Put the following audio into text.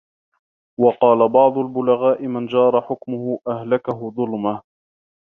وَقَالَ بَعْضُ الْبُلَغَاءِ مَنْ جَارَ حُكْمُهُ أَهْلَكَهُ ظُلْمُهُ